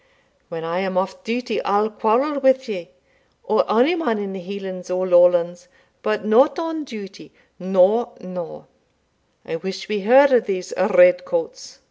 When I am off duty I'll quarrel with you or ony man in the Hielands or Lowlands, but not on duty no no. I wish we heard o' these red coats.